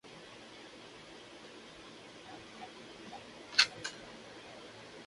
Los niños solían pescar y cazar con sus padres como diversión.